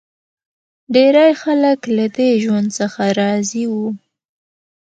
ډېری خلک له دې ژوند څخه راضي وو